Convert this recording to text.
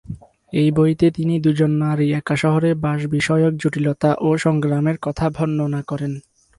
এই বইতে তিনি দুজন নারী একা শহরে বাস বিষয়ক জটিলতা ও সংগ্রামের কথা বর্ণনা করেন।